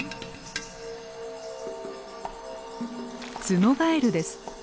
ツノガエルです。